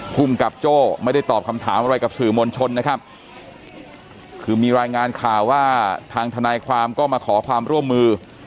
ภูมิกับโจ้ไม่ได้ตอบคำถามอะไรกับสื่อมวลชนนะครับคือมีรายงานข่าวว่าทางทนายความก็มาขอความร่วมมือ